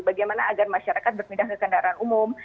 bagaimana agar masyarakat berpindah ke kendaraan umum